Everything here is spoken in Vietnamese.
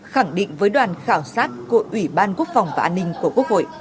khẳng định với đoàn khảo sát của ủy ban quốc phòng và an ninh của quốc hội